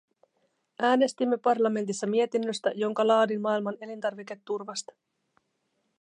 Äänestimme parlamentissa mietinnöstä, jonka laadin maailman elintarviketurvasta.